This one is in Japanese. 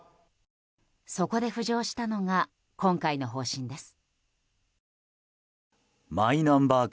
そこで浮上したのが今回の方針です。